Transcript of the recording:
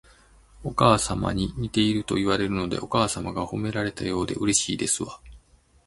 お母様に似ているといわれるので、お母様が褒められたようでうれしいですわ